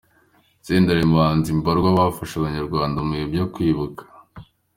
Senderi ari mu bahanzi mbarwa bafasha abanyarwanda mu bihe byo kwibuka.